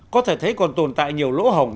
có thể thấy còn tồn tại nhiều lỗ hồng